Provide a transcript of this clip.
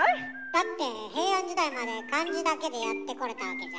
だって平安時代まで漢字だけでやってこれたわけじゃない？